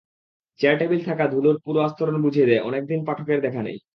চেয়ার-টেবিলে থাকা ধুলার পুরু আস্তরণ বুঝিয়ে দেয়, অনেক দিন পাঠকের দেখা নেই।